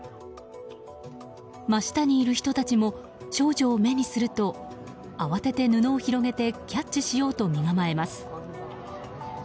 真下にいる人たちも少女を目にすると慌てて布を広げてキャッチしようと身構えます。